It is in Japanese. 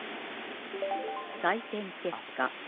採点結果